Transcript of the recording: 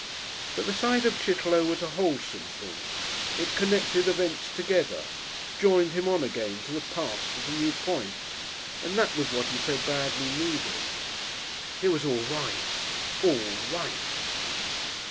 But the sight of Chitterlow was a wholesome thing, it connected events together, joined him on again to the past at a new point, and that was what he so badly needed.... It was all right all right.